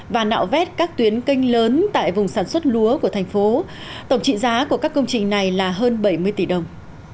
và nạo vét các tuyến canh lớn tại vùng sản xuất lúa của thành phố tổng trị giá của các công trình này là hơn bảy mươi tỷ đồng